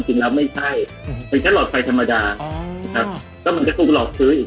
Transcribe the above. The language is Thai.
จริงแล้วไม่ใช่เป็นแค่หลอดไฟธรรมดานะครับก็มันก็ถูกหลอกซื้ออีก